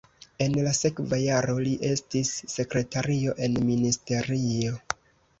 En la sekva jaro li estis sekretario en ministerio.